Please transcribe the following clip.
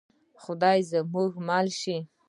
خدای دې زموږ مل شي؟